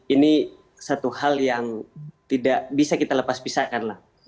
ini satu hal yang tidak bisa kita lepas pisahkan lah